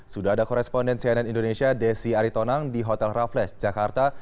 sudah ada koresponden cnn indonesia desi aritonang di hotel raffles jakarta